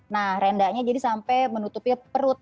nah rendahnya jadi sampai menutupi perut